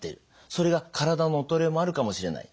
それが体の衰えもあるかもしれない。